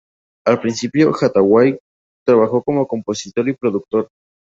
Al principio, Hathaway trabajó como compositor y productor.